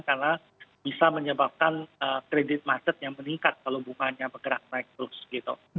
karena bisa menyebabkan kredit maset yang meningkat kalau bunganya bergerak naik terus gitu